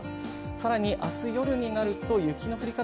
更に明日夜になると雪の降り方